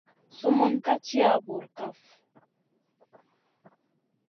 Sumun ka tiya bura kaf.